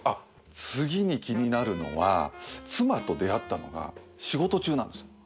次に気になるのは妻と出会ったのが仕事中なんです。